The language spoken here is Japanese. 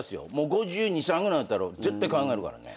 ５２５３ぐらいになったら絶対考えるからね。